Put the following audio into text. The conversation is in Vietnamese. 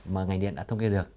mà ngành điện đã thông kê được